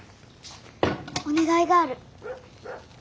お願いがある。